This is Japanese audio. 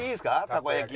たこ焼き。